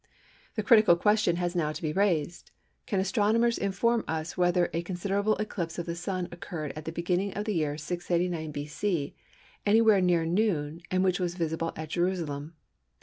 The critical question has now to be raised: "Can astronomers inform us whether a considerable eclipse of the Sun occurred at the beginning of the year 689 B.C. anywhere near noon and which was visible at Jerusalem?"